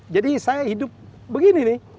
saya hidup begini nih